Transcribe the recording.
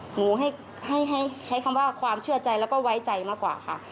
หนูให้ใช้คำว่าความเชื่อใจแล้วก็ไว้ใจมากกว่าค่ะ